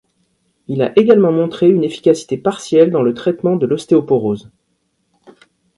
Il a également montré une efficacité partielle dans le traitement de l'ostéoporose.